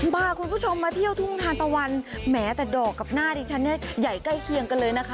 พาคุณผู้ชมมาเที่ยวทุ่งทานตะวันแหมแต่ดอกกับหน้าดิฉันเนี่ยใหญ่ใกล้เคียงกันเลยนะคะ